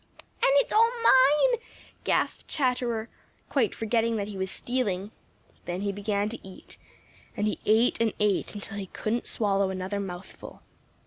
"And it's all mine!" gasped Chatterer, quite forgetting that he was stealing. Then he began to eat, and he ate and ate until he couldn't swallow another mouthful.